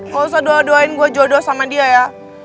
gak usah doa doain gue jodoh sama dia ya